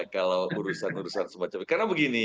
kalau urusan urusan semacam itu karena begini